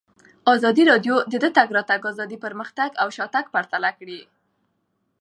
ازادي راډیو د د تګ راتګ ازادي پرمختګ او شاتګ پرتله کړی.